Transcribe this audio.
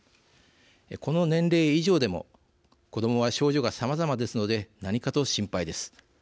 この年齢以上でも子どもは症状がさまざまですので何かと心配です。